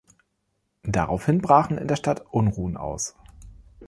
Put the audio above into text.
Daraufhin brachen in der Stadt Unruhen aus.